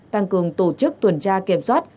tăng cường tổ chức tuần tra kiểm soát